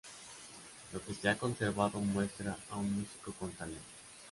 Lo que se ha conservado muestra a un músico con talento.